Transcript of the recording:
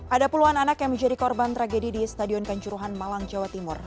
ada puluhan anak yang menjadi korban tragedi di stadion kanjuruhan malang jawa timur